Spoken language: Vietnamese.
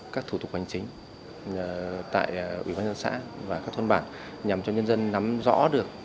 các thủ tục hành chính tại ủy ban nhân xã và các thôn bản nhằm cho nhân dân nắm rõ được